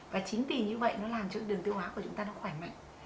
và chính vì như vậy nó làm cho đường tiêu hóa của chúng ta nó khỏe mạnh